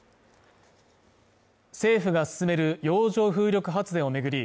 政府が進める洋上風力発電を巡り